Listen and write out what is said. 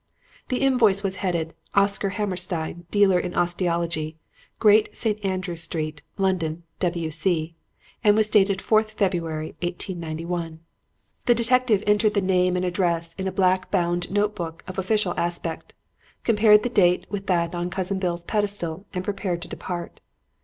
"The invoice was headed, 'Oscar Hammerstein, Dealer in Osteology, Great St. Andrew Street, London, W.C.,' and was dated 4th February, 1891. "The detective entered the name and address in a black bound note book of official aspect, compared the date with that on Cousin Bill's pedestal and prepared to depart.